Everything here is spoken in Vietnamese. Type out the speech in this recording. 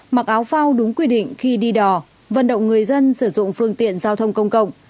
mặc áo phao đúng quy định khi đi đò vận động người dân sử dụng phương tiện giao thông công cộng